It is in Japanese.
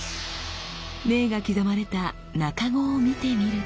銘が刻まれた茎を見てみると。